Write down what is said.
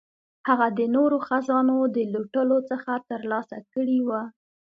هغه د نورو خزانو د لوټلو څخه ترلاسه کړي وه.